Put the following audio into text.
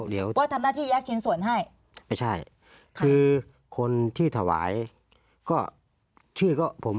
เดี๋ยวก็ทำหน้าที่แยกชิ้นส่วนให้ไม่ใช่คือคนที่ถวายก็ชื่อก็ผม